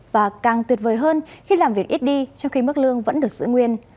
và càng tuyệt vời hơn khi làm việc ít đi trong khi mức lương vẫn được giữ nguyên